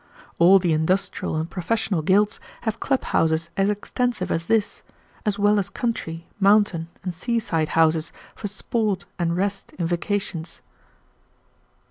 All the industrial and professional guilds have clubhouses as extensive as this, as well as country, mountain, and seaside houses for sport and rest in vacations."